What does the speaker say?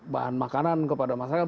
bahan makanan kepada masyarakat